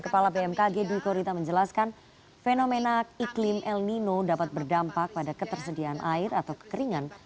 kepala bmkg dwi korita menjelaskan fenomena iklim el nino dapat berdampak pada ketersediaan air atau kekeringan